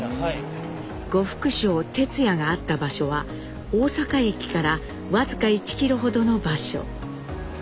呉服商「てつや」があった場所は大阪駅から僅か１キロほどの場所。